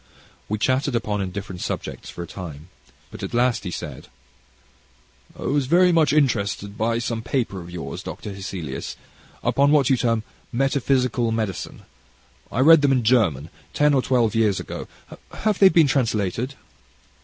We chatted upon indifferent subjects for a time but at last he said: "I was very much interested by some papers of yours, Dr. Hesselius, upon what you term Metaphysical Medicine I read them in German, ten or twelve years ago have they been translated?"